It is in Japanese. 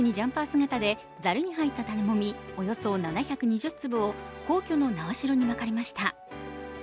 姿でざるに入った種もみおよそ７２０粒を皇居の苗代にまかれました。